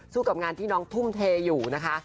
กับงานที่น้องทุ่มเทอยู่นะคะ